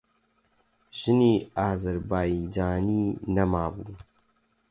ژنی ئازەربایجانیی نەمابوو.